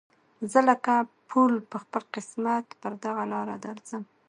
زه لکه پل په خپل قسمت پر دغه لاره درځم